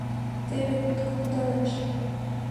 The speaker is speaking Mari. Теве кутко кудалеш